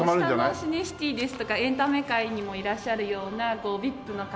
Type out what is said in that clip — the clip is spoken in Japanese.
下のシネシティですとかエンタメ界にもいらっしゃるようなＶＩＰの方。